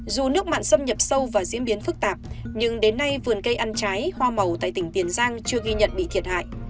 dù nước mặn xâm nhập sâu và diễn biến phức tạp nhưng đến nay vườn cây ăn trái hoa màu tại tỉnh tiền giang chưa ghi nhận bị thiệt hại